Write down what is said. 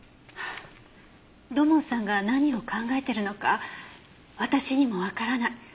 土門さんが何を考えてるのか私にもわからない。